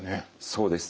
そうです。